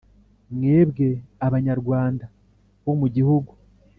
Mwebwe abanyarwanda bo mu gihugu